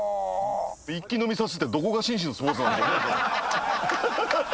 一気飲みさすってどこが紳士のスポーツ。